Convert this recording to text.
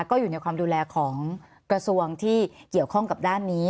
ก็อยู่ในความดูแลของกระทรวงที่เกี่ยวข้องกับด้านนี้